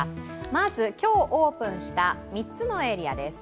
まず今日オープンした３つのエリアです。